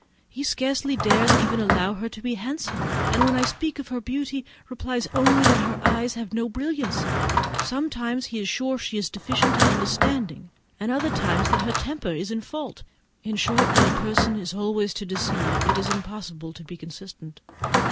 He scarcely dares even allow her to be handsome, and when I speak of her beauty, replies only that her eyes have no brilliancy! Sometimes he is sure she is deficient in understanding, and at others that her temper only is in fault. In short, when a person is always to deceive, it is impossible to be consistent.